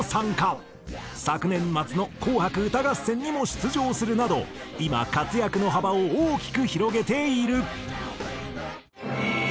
昨年末の『紅白歌合戦』にも出場するなど今活躍の幅を大きく広げている。